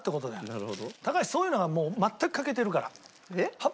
そういうのがもう全く欠けてるから。